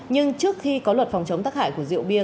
nhưng trước khi có luật phòng chống tắc hại của rượu bia